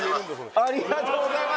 ありがとうございます